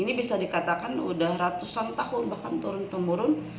ini bisa dikatakan sudah ratusan tahun bahkan turun temurun